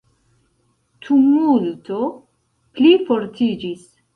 Tumulto plifortiĝis.